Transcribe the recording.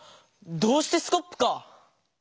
「どうしてスコップ」か！